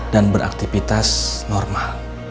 dan beraktifitas normal